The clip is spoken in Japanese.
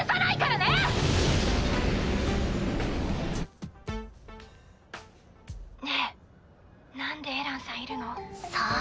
ねえなんでエランさんいるの？さあ？